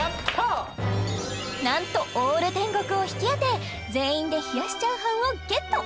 なんとＡＬＬ天国を引き当て全員で冷やしチャーハンをゲット！